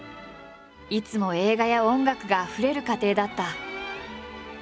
いつも映画や音楽があふれる家庭だった。